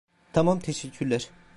Tamam, teşekkürler.